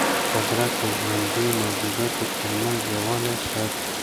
قدرت د ژوندیو موجوداتو ترمنځ یووالی ساتي.